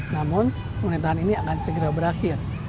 namun pemerintahan ini akan segera berakhir